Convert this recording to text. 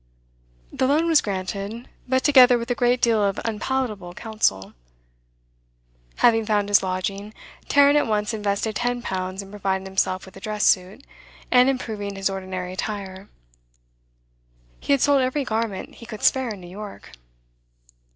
The loan was granted, but together with a great deal of unpalatable counsel. Having found his lodging, Tarrant at once invested ten pounds in providing himself with a dress suit, and improving his ordinary attire, he had sold every garment he could spare in New York.